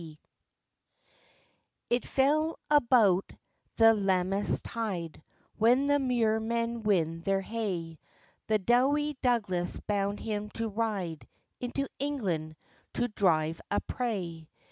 vi.) IT fell about the Lammas tide, When the muir men win their hay, The doughty Douglas bound him to ride Into England, to drive a prey.